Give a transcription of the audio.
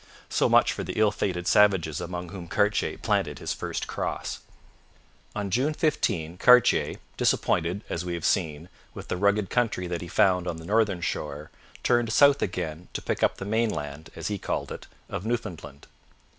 So much for the ill fated savages among whom Cartier planted his first cross. On June 15, Cartier, disappointed, as we have seen, with the rugged country that he found on the northern shore, turned south again to pick up the mainland, as he called it, of Newfoundland.